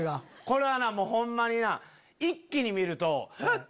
これはなホンマにな一気に見るとハッ！